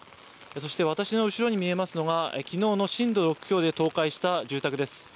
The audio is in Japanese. そして私の後ろに見えますのが、きのうの震度６強で倒壊した住宅です。